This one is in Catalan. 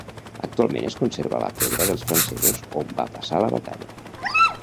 Actualment es conserva la pedra dels francesos on va passar la batalla.